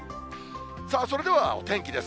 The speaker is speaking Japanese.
それではお天気です。